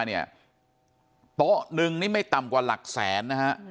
กลุ่ม๑โต๊ะไม่ต่ำกว่าหลักแสน